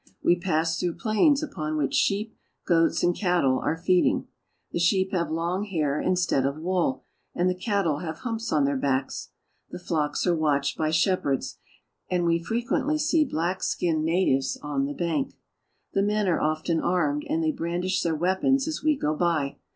We pass through plains upon which sheep, goats, and cattle are feeding. The sheep have long hair instead of wool, and the cattle have humps on their backs. The flocks are watched by shepherds, and we frequently see black skinned natives on the bank. The men are often armed,, and they brandish their weapons as we go by.